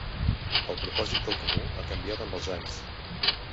El propòsit del Comú ha canviat amb els anys.